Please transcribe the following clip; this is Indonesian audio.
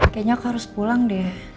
kayaknya aku harus pulang deh